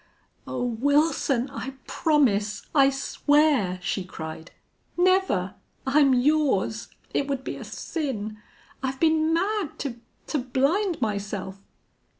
"Oh, Wilson, I promise I swear!" she cried. "Never! I'm yours. It would be a sin. I've been mad to to blind myself."